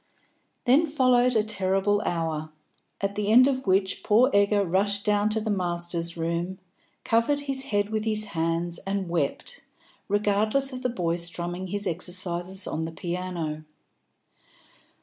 Then followed a terrible hour, at the end of which poor Egger rushed down to the Masters' Room, covered his head with his hands and wept, regardless of the boy strumming his exercises on the piano.